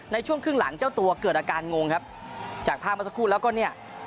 ในช่วงครึ่งหลังเจ้าตัวเกิดอาการงงครับจากภาพเมื่อสักครู่แล้วก็เนี่ย